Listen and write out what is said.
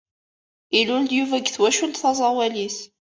Ilul-d Yuba deg twacult taẓawalit.